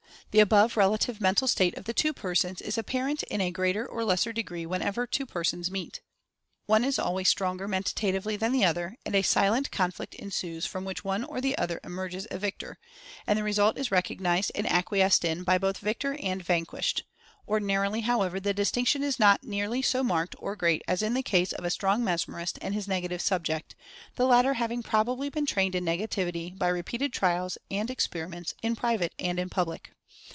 The above relative mental state of the two persons is apparent in a greater or lesser degree whenever two persons meet. One is always stronger Menta tively than the other, and a silent conflict ensues from which one or the other emerges a victor — and the re sult is recognized and acquiesced in by both victor and vanquished. Ordinarily, however, the distinction is not nearly so marked or great as in the case of a strong Mesmerist and his negative "subject," the latter having probably been trained in Negativity by re peated trials and experiments in private and in public.